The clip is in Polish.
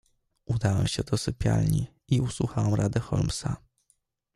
"Udałem się do sypialni i usłuchałem rady Holmesa."